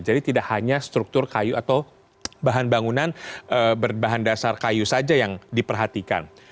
jadi tidak hanya struktur kayu atau bahan bangunan berbahan dasar kayu saja yang diperhatikan